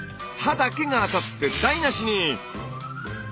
刃だけが当たって台なしに！